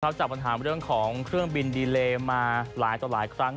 จากปัญหาเรื่องของเครื่องบินดีเลมาหลายต่อหลายครั้ง